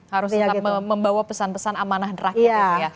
harus membawa pesan pesan amanah rakyat